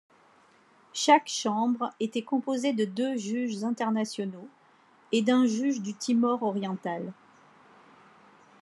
Chaque chambre était composée de deux juges internationaux et d’un juge du Timor oriental.